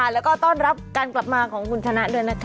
แล้วก็ต้อนรับการกลับมาของคุณชนะด้วยนะคะ